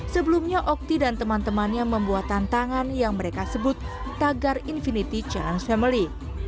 sebelumnya okti dan teman temannya membuat tantangan yang mereka sebut tagar infinity challenge family